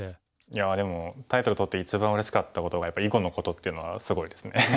いやでもタイトル取って一番うれしかったことがやっぱ囲碁のことっていうのがすごいですね。